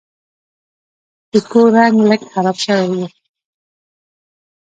د کور رنګ لږ خراب شوی و.